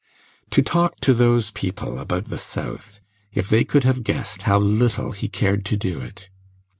To talk to those people about the South if they could have guessed how little he cared to do it!